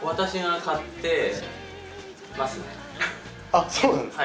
あっそうなんですか。